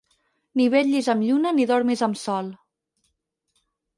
Ni vetllis amb lluna ni dormis amb sol.